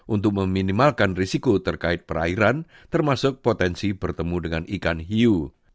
untuk meminimalkan risiko terkait perairan termasuk potensi bertemu dengan ikan hiu